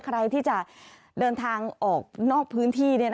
ใครที่จะเดินทางออกนอกพื้นที่